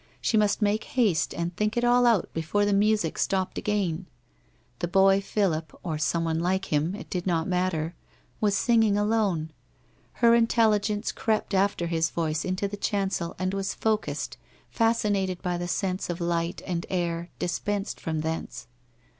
She must make haste and think it all out before the music stopped again. The boy Philip — or someone like him, it did not matter — was singing alone. Her intelligence crept after his voice into the chancel and was focussed, fascinated by the sense of light and air dispensed from thence.